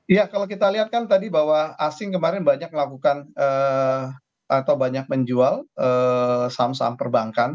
iya kalau kita lihat kan tadi bahwa asing kemarin banyak melakukan atau banyak menjual saham saham perbankan